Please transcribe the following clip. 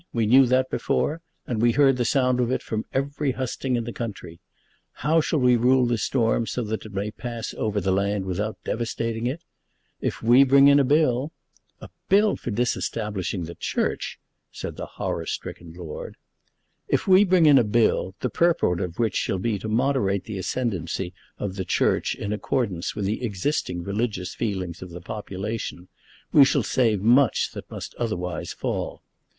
We knew that before, and we heard the sound of it from every husting in the country. How shall we rule the storm so that it may pass over the land without devastating it? If we bring in a bill " "A bill for disestablishing the Church!" said the horror stricken lord. "If we bring in a bill, the purport of which shall be to moderate the ascendancy of the Church in accordance with the existing religious feelings of the population, we shall save much that otherwise must fall.